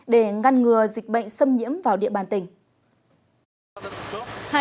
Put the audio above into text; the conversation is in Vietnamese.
để ngăn ngừa dịch bệnh xâm nhiễm vào địa bàn tỉnh